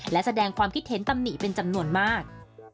และแสดงความคิดเห็นตำหนิเป็นจำนวนมาก